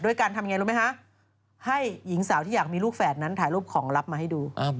การทำอย่างไรรู้ไหมคะให้หญิงสาวที่อยากมีลูกแฝดนั้นถ่ายรูปของลับมาให้ดู